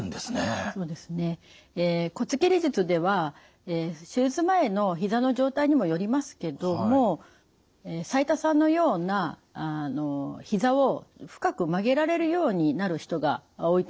骨切り術では手術前のひざの状態にもよりますけども齋藤さんのようなひざを深く曲げられるようになる人が多いと思います。